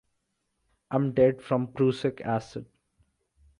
I am dead from prussic acid.